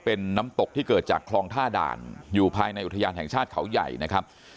เป็นน้ำตกที่เกิดจากคลองท่าด่านอยู่ภายในอุทยานแห่งชาติเขาใหญ่นะครับ